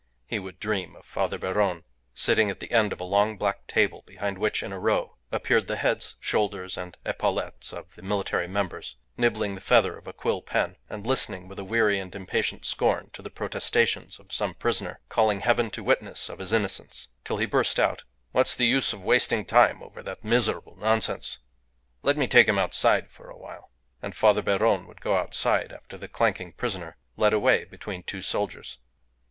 He would dream of Father Beron sitting at the end of a long black table, behind which, in a row, appeared the heads, shoulders, and epaulettes of the military members, nibbling the feather of a quill pen, and listening with weary and impatient scorn to the protestations of some prisoner calling heaven to witness of his innocence, till he burst out, "What's the use of wasting time over that miserable nonsense! Let me take him outside for a while." And Father Beron would go outside after the clanking prisoner, led away between two soldiers.